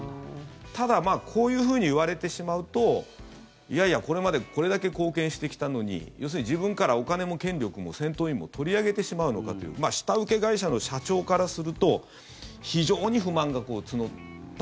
ただ、こういうふうにいわれてしまうといやいや、これまでこれだけ貢献してきたのに要するに、自分からお金も権力も戦闘員も取り上げてしまうのかという下請け会社の社長からすると非常に不満が募った。